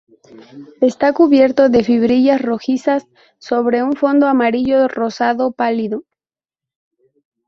Está cubierto de fibrillas rojizas sobre un fondo amarillo rosado pálido.